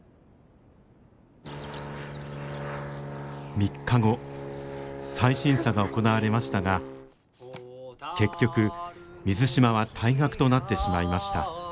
３日後再審査が行われましたが結局水島は退学となってしまいました。